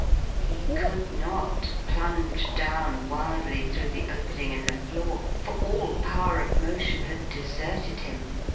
He could not plunge down wildly through the opening in the floor; for all power of motion had deserted him.